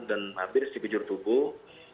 dan hampir sepijur tubuh